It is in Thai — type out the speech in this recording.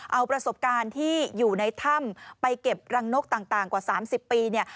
เอาประสบการณ์ที่อยู่ในถ้ำไปเก็บรังนกต่างกว่า๓๐ปีเนี่ย